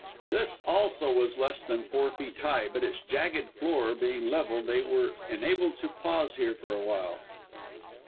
This also was less than four feet high, but its jagged floor being level, they were enabled to pause here for a while.